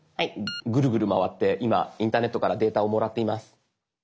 グルグル回って今インターネットからデータをもらっています。